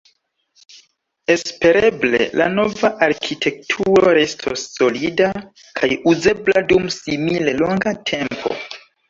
Espereble la nova arkitekturo restos solida kaj uzebla dum simile longa tempo.